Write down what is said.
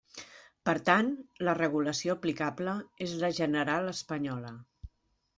Per tant, la regulació aplicable és la general espanyola.